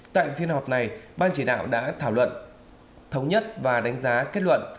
tại phiên họp này ban chỉ đạo đã thảo luận thống nhất và đánh giá kết luận